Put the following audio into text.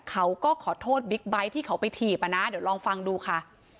เขาก็ขอโทษบิ๊กไบท์ที่เขาไปถีบอ่ะนะเดี๋ยวลองฟังดูค่ะ